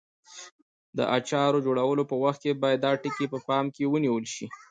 د اچارو جوړولو په وخت کې باید دا ټکي په پام کې ونیول شي.